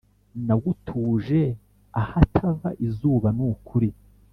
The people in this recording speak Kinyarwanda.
Nagutuje ahatava izuba nukuri